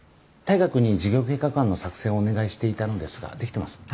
大牙君に事業計画案の作成をお願いしていたのですができてます？